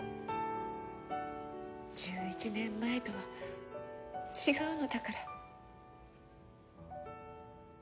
１１年前とは違うのだから。